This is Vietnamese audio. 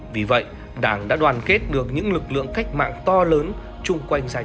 vì vậy đảng đã đoàn kết được những lực lượng cách mạng to lớn